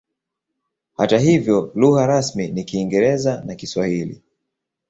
Hata hivyo lugha rasmi ni Kiingereza na Kiswahili.